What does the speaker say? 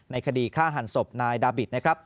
ในคดีข้าหันศพนายดาวิทนะครับ